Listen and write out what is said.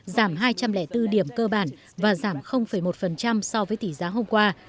giảm hai trăm linh bốn điểm cơ bản và giảm một so với tỷ giá hôm qua